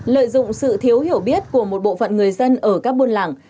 lợi dụng sự thiếu hiểu biết của một bộ phận người dân ở các buôn làng